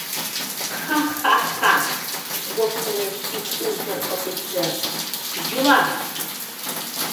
— Ха-ха-ха, — воштылеш ик унтер-офицер, — йӱла!